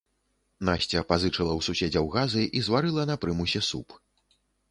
Насця пазычыла ў суседзяў газы і зварыла на прымусе суп.